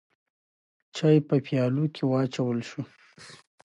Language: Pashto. چای په پیالو کې واچول شو.